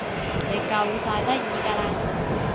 你夠晒得意㗎啦